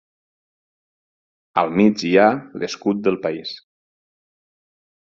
Al mig hi ha l'escut del país.